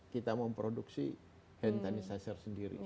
kita memproduksi hand sanitizer sendiri